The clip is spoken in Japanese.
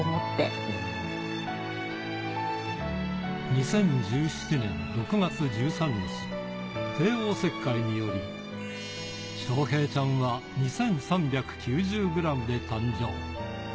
２０１７年６月１３日、帝王切開により、翔平ちゃんは２３９０グラムで誕生。